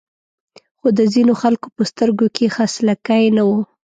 خو د ځینو خلکو په سترګو کې خلسکی نه و.